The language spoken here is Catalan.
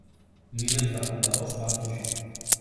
Milers de pobladors van fugir.